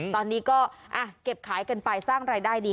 ตอนนี้ก็เก็บขายกันไปสร้างรายได้ดี